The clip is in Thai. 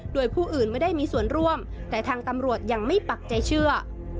โดยผู้อื่นไม่ได้มีส่วนร่วมแต่ทางตำรวจยังไม่ปักใจเชื่อ